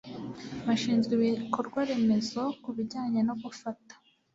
bashinzwe ibikorwa remezo ku bijyanye no gufata